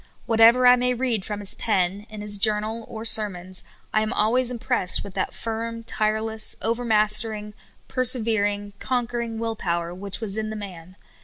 Whatever I may read from his pen, in his journal, or sermons, I am always im pressed with that firm, tireless, overmastering, perse vering, conquering will power which was in the man.